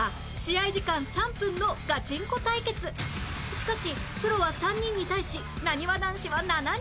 しかしプロは３人に対しなにわ男子は７人